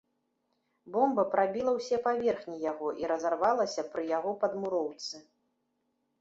Бомба прабіла ўсе паверхі яго і разарвалася пры яго падмуроўцы.